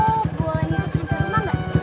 aku boleh ngikutin ke rumah ga